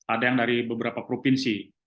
ada yang dari beberapa provinsi